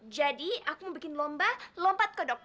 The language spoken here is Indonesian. jadi aku mau bikin lomba lompat kodok